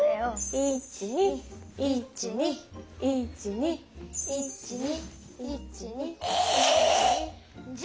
１２１２１２１２。